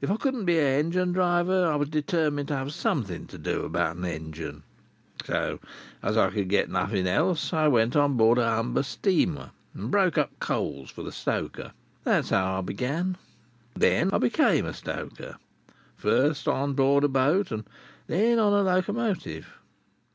If I couldn't be a engine driver, I was determined to have something to do about a engine; so, as I could get nothing else, I went on board a Humber steamer, and broke up coals for the stoker. That was how I began. From that, I became a stoker, first on board a boat, and then on a locomotive.